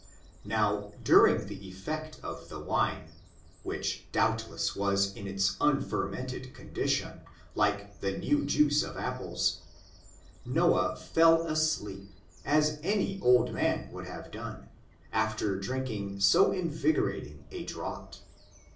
Now, during the ef fect of the wine, which doubtless was in its unfer mented condition, like the new juice of apples, Noah fell asleep, as any old man would have done, afler drinking so invigorating a draught.